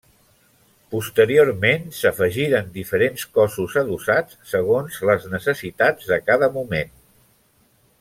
Posteriorment s'afegiren diferents cossos adossats segons les necessitats de cada moment.